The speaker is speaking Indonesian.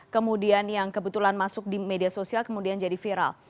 kemudian yang kebetulan masuk di media sosial kemudian jadi viral